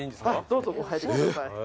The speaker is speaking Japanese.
どうぞお入りください。